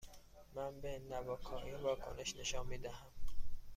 من به نواکائین واکنش نشان می دهم.